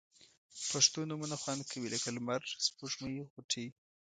پښتو نومونه خوند کوي لکه لمر، سپوږمۍ، غوټۍ